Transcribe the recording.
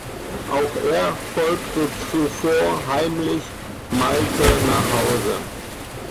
Auch er folgte zuvor heimlich Malte nach Hause.